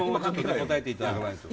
へえいただきます